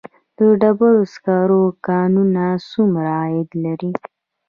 د ډبرو سکرو کانونه څومره عاید لري؟